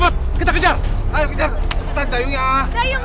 mungkin fail kita kejar heteroniter